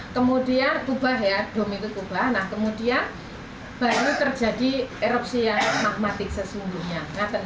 kemudian dom itu kubah kemudian baru terjadi erupsi yang magmatis sesungguhnya